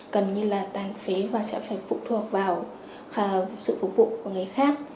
gần như là tàn phế và sẽ phải phụ thuộc vào sự phục vụ của người khác